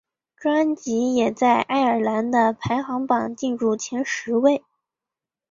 专辑也在爱尔兰的排行榜进入前十位。